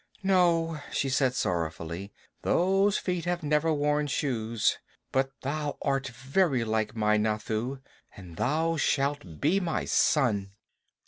"No," she said sorrowfully, "those feet have never worn shoes, but thou art very like my Nathoo, and thou shalt be my son."